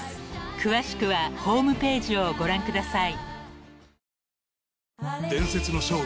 ［詳しくはホームページをご覧ください］